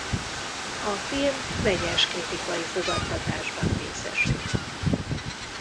A film vegyes kritikai fogadtatásban részesült.